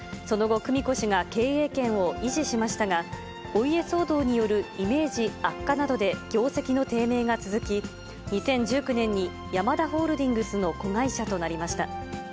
その後、久美子氏が経営権を維持しましたが、お家騒動によるイメージ悪化などで業績の低迷が続き、２０１９年にヤマダホールディングスの子会社となりました。